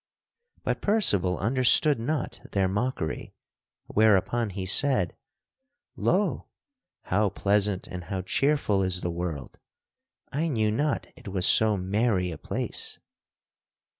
But Percival understood not their mockery, whereupon he said: "Lo! how pleasant and how cheerful is the world. I knew not it was so merry a place."